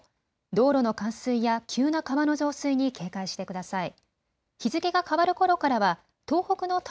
道路の冠水や急な川の増水に警戒してください。